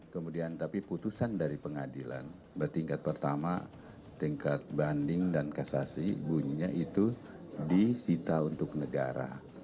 kemudian tapi putusan dari pengadilan bertingkat pertama tingkat banding dan kasasi bunyinya itu disita untuk negara